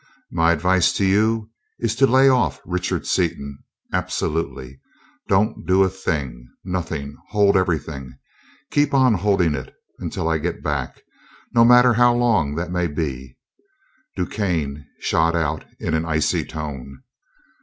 My advice to you is to lay off Richard Seaton, absolutely. Don't do a thing. Nothing, hold everything. Keep on holding it until I get back, no matter how long that may be," DuQuesne shot out in an icy tone.